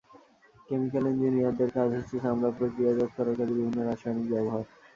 Chemical ইঞ্জিনিয়ারদের কাজ হচ্ছে চামড়া প্রক্রিয়াজাত করার কাজে বিভিন্ন রাসায়নিক ব্যবহার।